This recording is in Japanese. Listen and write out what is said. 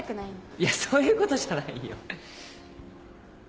いやそういうことじゃないよ。